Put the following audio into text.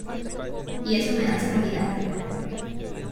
y eso me da seguridad.